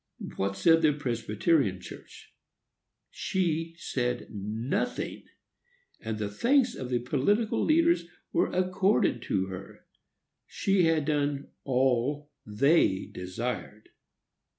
What said the Presbyterian Church? She said nothing, and the thanks of political leaders were accorded to her. She had done all they desired.